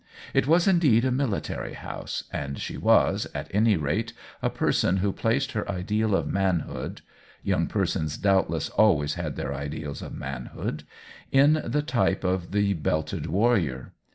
It was indeed a military house, and she was, at any rate, a person who placed her ideal of manhood (young persons doubtless always had their ideals of manhood) in the type of the belted warrior.